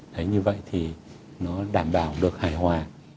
đấy như vậy thì nó đảm bảo được hài hòa